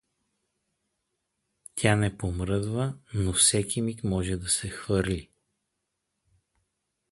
Тя не помръдва, но всеки миг може да се хвърли.